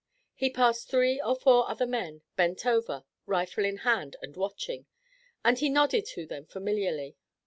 He passed three or four other men, bent over, rifle in hand and watching, and he nodded to them familiarly.